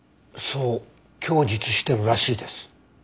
そう供述してるらしいです。